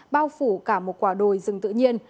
bao phủ cả một quả đồi rừng tự nhiên